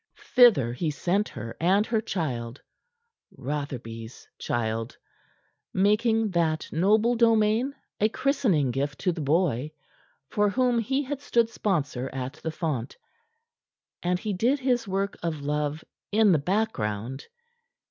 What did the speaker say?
Thither he sent her and her child Rotherby's child making that noble domain a christening gift to the boy, for whom he had stood sponsor at the font. And he did his work of love in the background.